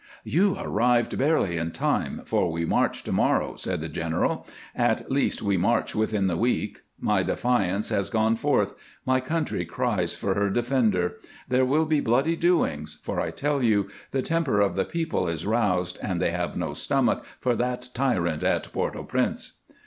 "You arrived barely in time, for we march to morrow," said the general; "at least we march within the week. My defiance has gone forth. My country cries for her defender. There will be bloody doings, for I tell you the temper of the people is roused and they have no stomach for that tyrant at Port au Prince."